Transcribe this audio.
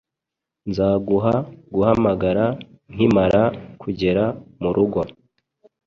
Nzaguha guhamagara nkimara kugera murugo.